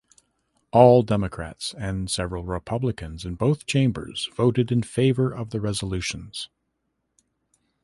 All Democrats and several Republicans in both chambers voted in favor of the resolutions.